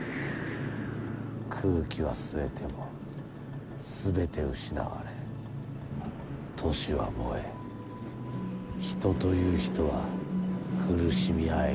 空気は吸えても全て失われ都市は燃え人という人は苦しみあえぐ。